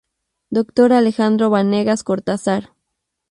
Dr. Alejandro Vanegas Cortázar.